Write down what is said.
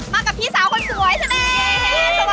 มากับพี่สาวคนสวยใช่ไหม